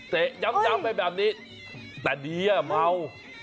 เตะย้ำย้ำไปแบบนี้แต่ดีอ่ะเงาว์